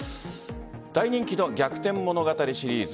大人気の逆転物語シリーズ。